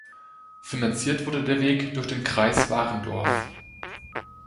Finanziert wurde der Weg durch den Kreis Warendorf.